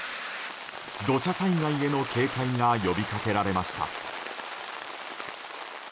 土砂災害への警戒が呼びかけられました。